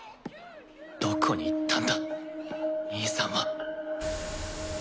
どこに行ったんだ兄さんは。